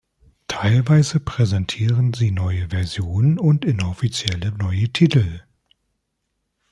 Teilweise präsentieren sie neue Versionen und inoffizielle neue Titel.